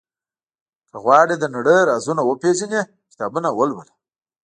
• که غواړې د نړۍ رازونه وپېژنې، کتابونه ولوله.